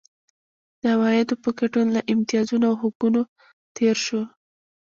د عوایدو په ګډون له امتیازونو او حقونو تېر شو.